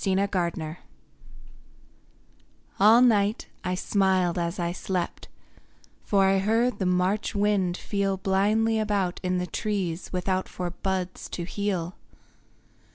INTIMATION All night I smiled as I slept, For I heard the March wind feel Blindly about in the trees without For buds to heal.